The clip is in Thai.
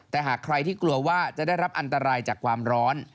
แต่หากใครที่กลัวว่าจะได้รับอันตรายจากความร้อน